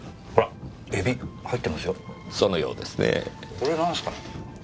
これなんすかね？